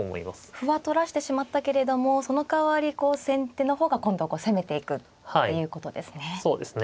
歩は取らしてしまったけれどもそのかわりこう先手の方が今度は攻めていくっていうことですね。